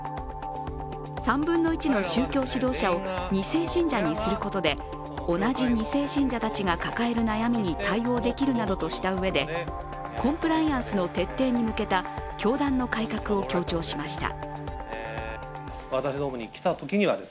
３分の１の宗教指導者を２世信者にすることで同じ２世信者たちが抱える悩みに対応できるなどとしたうえでコンプライアンスの徹底に向けた教団の改革を強調しました。